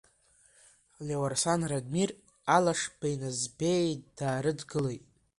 Леуарсан Радмир алашбеи Назбеии даарыдгылеит.